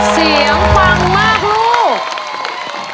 เสียงปังมากลูก